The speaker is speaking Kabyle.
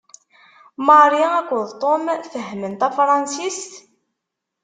Mary akked Tom fehhmen tafṛansist?